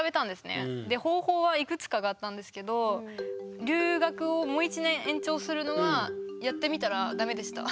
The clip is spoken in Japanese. で方法はいくつかがあったんですけど留学をもう１年延長するのはやってみたら駄目でした。